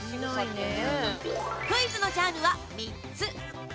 クイズのジャンルは３つ。